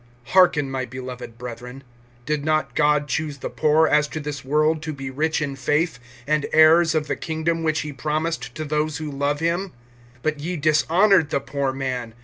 (5)Hearken, my beloved brethren. Did not God choose the poor as to this world[2:5] to be rich in faith, and heirs of the kingdom which he promised to those who love him? (6)But ye dishonored the poor man.